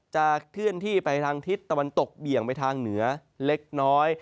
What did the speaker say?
จะเคลื่อนที่ไปทางทิศตะวันตกเบี่ยงไปทางเหนือเล็กน้อย